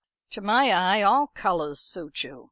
"To my eye all colours suit you.